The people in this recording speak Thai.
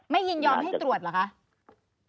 ยินยอมให้ตรวจเหรอคะ